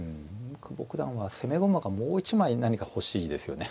久保九段は攻め駒がもう一枚何か欲しいですよね。